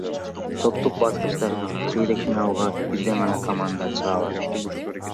Топтук баскычтан чейрек финалга бирден гана команда чыга алат.